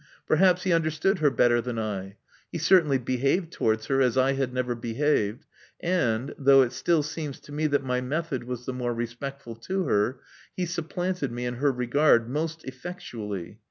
Perhaps he understood her better than I. He certainly behaved towards her as I had never behaved; and, though it still seems to me that my method was the more respectful to her, he supplanted me in her regard most effectually.